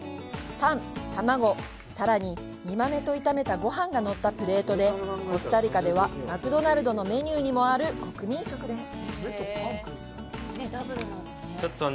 パン、卵、さらに煮豆と炒めたごはんが載ったプレートでコスタリカではマクドナルドのメニューにもある国民食です。